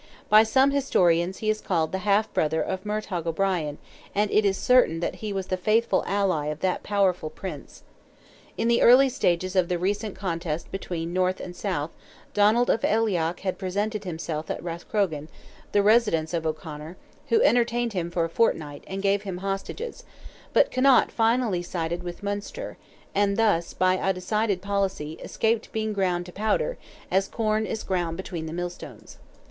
By some historians he is called the half brother of Murtogh O'Brien, and it is certain that he was the faithful ally of that powerful prince. In the early stages of the recent contest between North and South, Donald of Aileach had presented himself at Rathcrogan, the residence of O'Conor, who entertained him for a fortnight, and gave him hostages; but Connaught finally sided with Munster, and thus, by a decided policy, escaped being ground to powder, as corn is ground between the mill stones.